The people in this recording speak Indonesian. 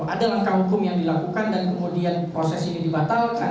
ada langkah hukum yang dilakukan dan kemudian proses ini dibatalkan